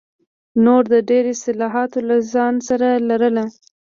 نور ډېر اصلاحات له ځان سره لرل.